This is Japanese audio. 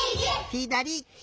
ひだり！